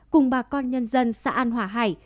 cùng bà con nhân dân xã an hòa hải